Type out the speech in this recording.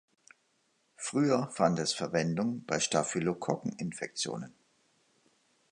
Früher fand es Verwendung bei Staphylokokken-Infektionen.